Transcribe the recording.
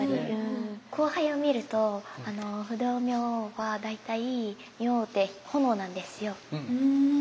光背を見ると不動明王は大体明王って炎なんですよ。